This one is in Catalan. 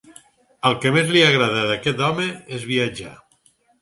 El que més li agrada d'aquest home és viatjar.